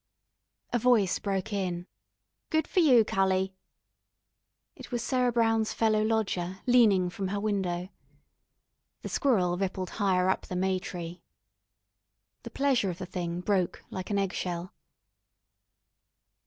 A voice broke in: "Good for you, cully." It was Sarah Brown's fellow lodger leaning from her window. The squirrel rippled higher up the may tree. The pleasure of the thing broke like an eggshell.